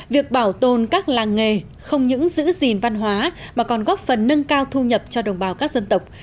việc bảo tồn các làng nghề không những giữ gìn văn hóa mà còn góp phần nâng cao thu nhập cho đồng bào các dân tộc